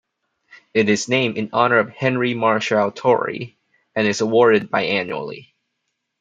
It is named in honour of Henry Marshall Tory and is awarded bi-annually.